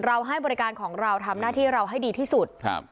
ให้บริการของเราทำหน้าที่เราให้ดีที่สุดครับ